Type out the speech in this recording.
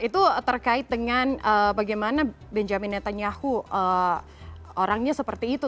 itu terkait dengan bagaimana benjamin netanyahu orangnya seperti itu